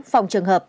phòng trường hợp